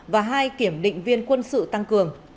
và hai kiểm định viên quân sự tăng cường